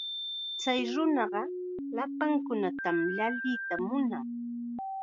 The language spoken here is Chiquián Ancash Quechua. Chay nunaqa llapankunatam llalliya munan.